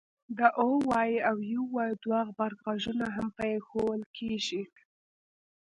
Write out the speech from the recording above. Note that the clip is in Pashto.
د oy او uy دوه غبرګغږونه هم په ی ښوول کېږي